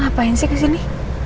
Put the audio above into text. apaan sih kesini